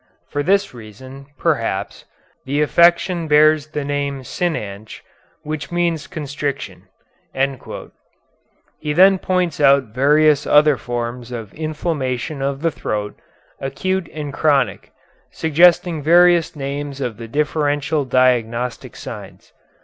For this reason, perhaps, the affection bears the name synanche, which means constriction." He then points out various other forms of inflammation of the throat, acute and chronic, suggesting various names and the differential diagnostic signs.